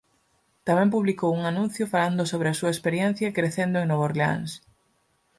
Tamén publicou un anuncio falando sobre a súa experiencia crecendo en Nova Orleáns.